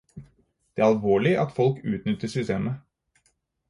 Det er alvorlig at folk utnytter systemet.